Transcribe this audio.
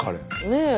ねえ。